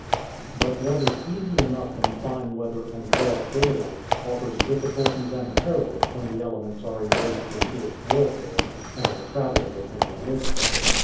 But what is easy enough in fine weather and broad daylight, offers difficulties and perils when the elements are engaged in fierce warfare, and the traveler is in the midst of it.